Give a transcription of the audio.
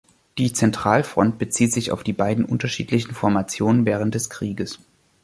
Die Zentralfront bezieht sich auf die beiden unterschiedlichen Formationen während des Krieges.